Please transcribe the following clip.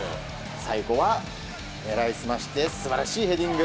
最後は狙い澄まして素晴らしいヘディング。